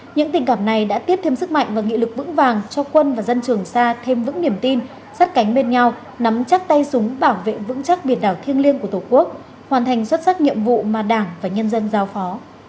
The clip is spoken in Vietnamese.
những tình cảm này đã tiếp thêm sức mạnh và nghị lực vững vàng cho quân và dân trường xa thêm vững niềm tin sắt cánh bên nhau nắm chắc tay súng bảo vệ vững chắc biển đảo thiêng liêng của tổ quốc hoàn thành xuất sắc nhiệm vụ mà đảng và nhân dân giao phó